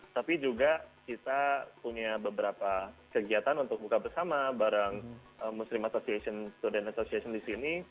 tapi juga kita punya beberapa kegiatan untuk buka bersama bareng muslim association student association di sini